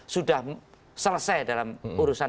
sudah selesai dalam urusan